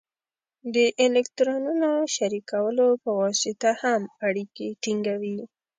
د الکترونونو شریکولو په واسطه هم اړیکې ټینګوي.